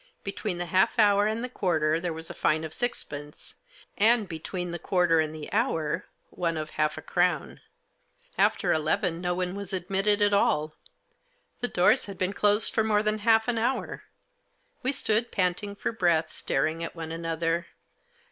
Between the half hour and the quarter there was a fine of sixpence, and between the quarter and the hour one of half a crown. After eleven no one was admitted at all. The doors had been closed for more than haif^an hour 1 We stood, panting for breath, staring at one another.